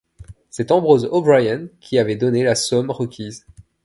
C'est Ambrose O'Brien qui avait donné la somme requise.